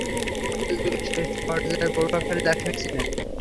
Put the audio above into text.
তিনি মধ্যযুগের শেষ পর্যায়ের প্রভাবশালী দার্শনিক ছিলেন।